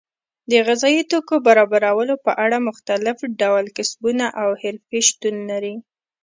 د غذایي توکو برابرولو په اړه مختلف ډول کسبونه او حرفې شتون لري.